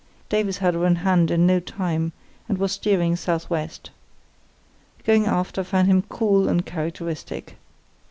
Davies had her in hand in no time, and was steering south west. Going aft I found him cool and characteristic.